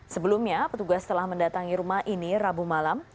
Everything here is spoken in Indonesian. sebelumnya petugas telah mendatangi rumah ini rabu malam